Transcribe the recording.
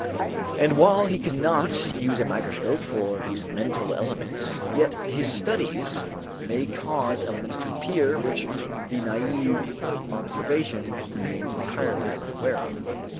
And while he cannot use a microscope for these mental elements, yet his studies may cause elements to appear which the naïve observation remains entirely unaware of.